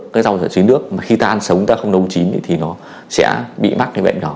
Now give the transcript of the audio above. cái rau trồng dưới nước mà khi ta ăn sống ta không nấu chín thì nó sẽ bị mắc cái bệnh đó